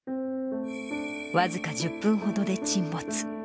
僅か１０分ほどで沈没。